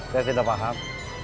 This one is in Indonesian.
saya tidak paham